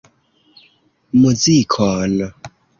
Muzikon.